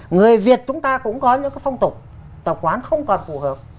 người việt chúng ta cũng có những phong tục tập quán không còn phù hợp